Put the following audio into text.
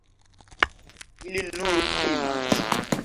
Ili nur timas.